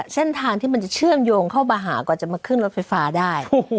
เส้นทางที่มันจะเชื่อมโยงเข้ามาหากว่าจะมาขึ้นรถไฟฟ้าได้